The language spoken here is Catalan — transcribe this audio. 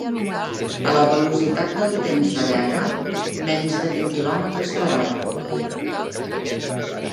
A la velocitat dels temps de guerra: menys de vint quilòmetres per hora.